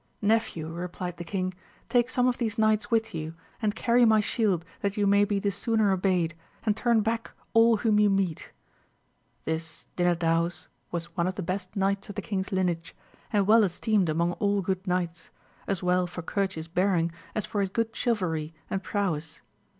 Nephew, replied the king, take some of these knights with you, and carry my shield that you may be the sooner obeyed, and turn back all whom you meet. This Dinadaus was one of the best knights of the king's lineage, and well esteemed among all good knights, as well for courteous bearing as for his good chivalry and prowess..